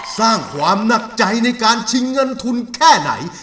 สร้างความหนักใจในการชิงเงินทุนแค่ไหน